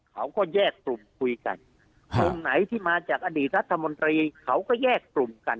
เขาก็แยกกลุ่มคุยกันกลุ่มไหนที่มาจากอดีตรัฐมนตรีเขาก็แยกกลุ่มกัน